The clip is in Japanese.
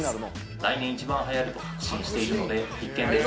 来年一番はやると確信しているので必見です！